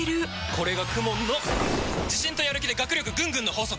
これがＫＵＭＯＮの自信とやる気で学力ぐんぐんの法則！